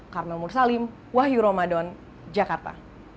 karmel mursalim wahyu ramadan jakarta